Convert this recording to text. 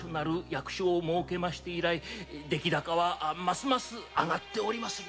役所を設けて以来出来高はますます上がっております。